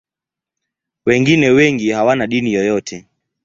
Wengine wengi hawana dini yoyote.